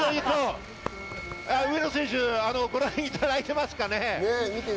上野選手、ご覧いただいていますかね？